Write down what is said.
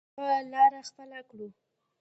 همدغه لاره خپله کړو.